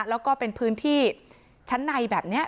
แล้วก็เป็นพื้นที่ชั้นในแบบนี้